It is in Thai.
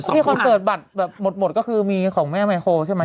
คอนเสิร์ตบัตรแบบหมดก็คือมีของแม่ไมโครใช่ไหม